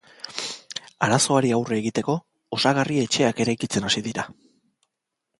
Arazoari aurre giteko, osagarri etxeak eraikitzen hasi dira.